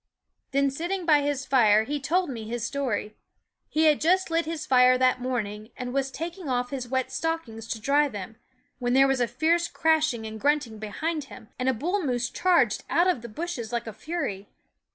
Then, sitting by his fire, he told me his story. He had just lit his fire that morning, and was taking off his wet stockings to dry them, when there was a fierce crashing and grunting behind him, and a bull moose charged out of the bushes like a fury.